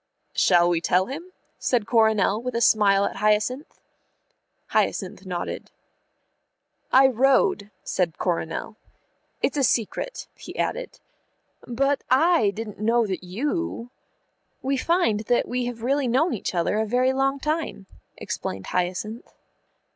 "Shall we tell him?" said Coronel, with a smile at Hyacinth. Hyacinth nodded. "I rode," said Coronel. "It's a secret," he added. "But I didn't know that you " "We find that we have really known each other a very long time," explained Hyacinth.